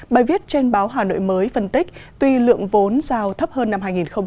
bài viết trên báo hà nội mới phân tích tuy lượng vốn giao thấp hơn năm hai nghìn hai mươi